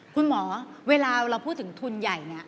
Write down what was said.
เวลาเราพูดถึงทุนใหญ่เนี่ย